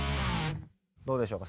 どうでしょうか